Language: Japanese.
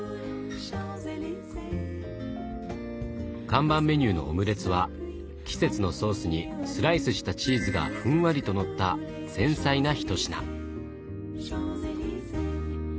看板メニューのオムレツは季節のソースにスライスしたチーズがふんわりとのった繊細な一品。